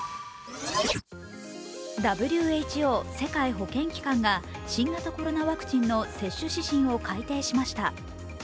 ＷＨＯ＝世界保健機関が新型コロナワクチンの接種指針を改定しました。